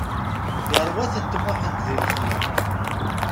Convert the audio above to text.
Yerwa-tent Muḥend di lexla.